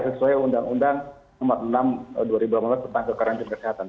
sesuai undang undang nomor enam dua ribu delapan belas tentang kekarantian kesehatan